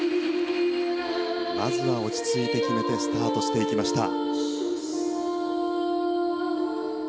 まずは落ち着いて決めてスタートしていきました。